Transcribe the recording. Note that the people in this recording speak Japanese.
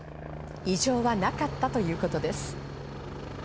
異常はなかったということです。